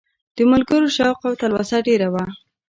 د ملګرو شوق او تلوسه ډېره وه.